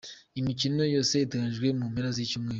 Imikino yose iteganyijwe mu mpera z’icyumweru:.